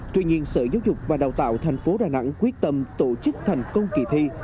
tuy nhiên sở giáo dục và đào tạo thành phố đà nẵng quyết tâm tổ chức thành công kỳ thi